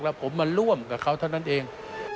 แล้วผมมาร่วมกับเขาเท่านั้นเอง